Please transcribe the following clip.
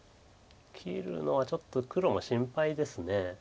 切るのはちょっと黒も心配です。